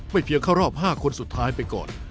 เพียงเข้ารอบ๕คนสุดท้ายไปก่อน